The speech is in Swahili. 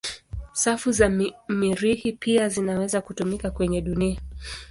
Safu za Mirihi pia zinaweza kutumika kwenye dunia.